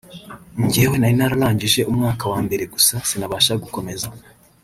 jyewe nari nararangije umwaka wa mbere gusa sinabasha gukomeza